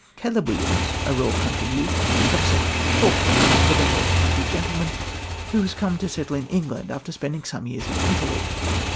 Caleb Williams, a raw country youth, becomes secretary to Falkland, a benevolent country gentleman, who has come to settle in England after spending some years in Italy.